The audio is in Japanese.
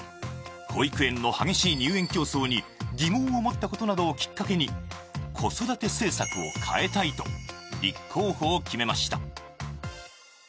保育園の激しい入園競争に疑問を持ったことなどをきっかけに子育て政策を変えたいと、立候補を決めました。